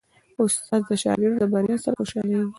استاد د شاګرد د بریا سره خوشحالېږي.